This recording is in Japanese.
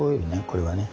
これはね。